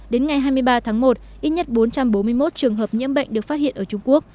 đến ngày hai mươi ba tháng một ít nhất bốn trăm bốn mươi một trường hợp nhiễm bệnh được phát hiện ở trung quốc